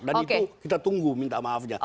itu kita tunggu minta maafnya